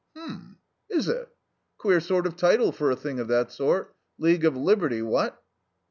"H'm. Is it? Queer sort of title for a thing of that sort League of Liberty, what?"